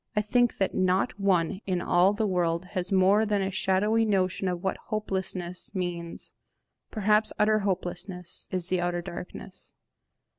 I think that not one in all the world has more than a shadowy notion of what hopelessness means. Perhaps utter hopelessness is the outer darkness.